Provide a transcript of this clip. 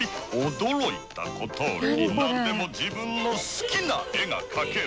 驚いた事になんでも自分の好きな絵が描ける。